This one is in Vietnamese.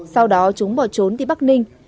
sau đó chúng bỏ trốn đi bắc ninh